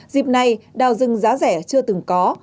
dịp này đào rừng giá rẻ chưa từng có